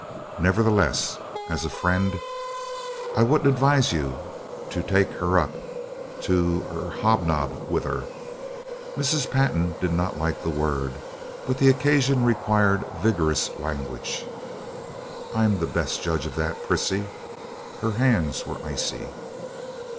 "Nevertheless, as a friend I wouldn't advise you to take her up to er hobnob with her." Mrs. Pantin did not like the word, but the occasion required vigorous language. "I'm the best judge of that, Prissy." Her hands were icy.